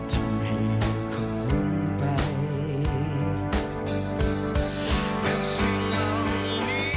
ที่เธอกับเขาไหลมากมาย